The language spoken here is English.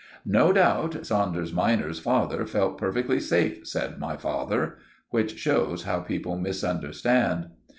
"No doubt Saunders minor's father felt perfectly safe," said my father. Which shows how people misunderstand.